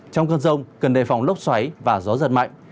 trong cơn rông cần đề phòng lốc xoáy và gió giật mạnh